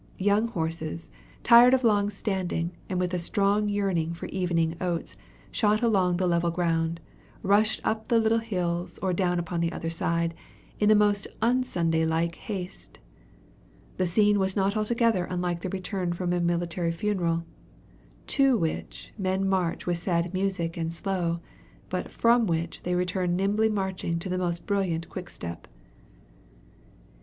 Young horses, tired of long standing, and with a strong yearning for evening oats, shot along the level ground, rushed up the little hills, or down upon the other side, in the most un Sunday like haste. The scene was not altogether unlike the return from a military funeral, to which men march with sad music and slow, but from which they return nimbly marching to the most brilliant quick step.